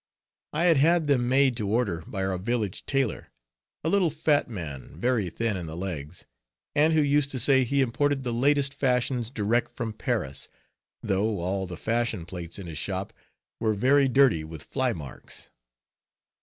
I had had them made to order by our village tailor, a little fat man, very thin in the legs, and who used to say he imported the latest fashions direct from Paris; though all the fashion plates in his shop were very dirty with fly marks.